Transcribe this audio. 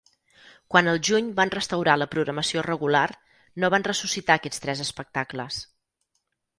Quan al juny van restaurar la programació regular, no van ressuscitar aquests tres espectacles.